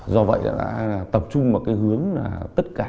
do vậy đã tập trung vào cái hướng là tất cả